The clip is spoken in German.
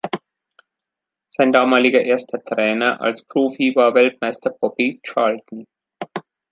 Sein damaliger erster Trainer als Profi war Weltmeister Bobby Charlton.